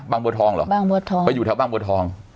บัวทองเหรอบางบัวทองไปอยู่แถวบางบัวทอง